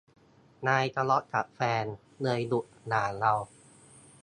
นายทะเลาะกับแฟน เลยหลุดด่าเรา